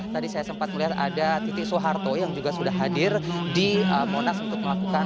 tadi saya sempat melihat ada titik soeharto yang juga sudah hadir di monas untuk melakukan